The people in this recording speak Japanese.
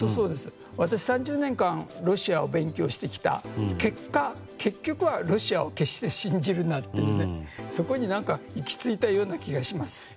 私、３０年間ロシアを勉強してきた結果結局はロシアを決して信じるなというそこに行き着いたような気がします。